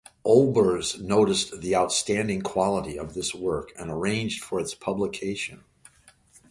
Olbers noticed the outstanding quality of this work and arranged for its publication.